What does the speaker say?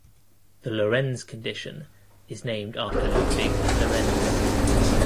The Lorenz condition is named after Ludvig Lorenz.